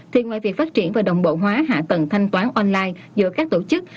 thì ngoài việc phát triển và đồng bộ hóa hạ tầng thanh toán online giữa các tổ chức